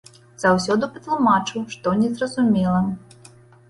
Заўсёды патлумачу, што незразумела.